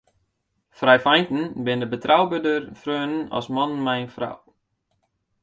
Frijfeinten binne betrouberder freonen as mannen mei in frou.